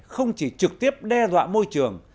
không chỉ trực tiếp đe dọa môi trường